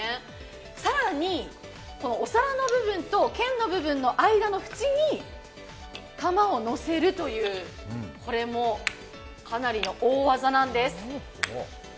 更に、お皿の部分と剣の間のふちに玉を乗せるという、これもかなりの大技なんです。